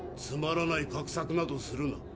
つまらない画策などするな。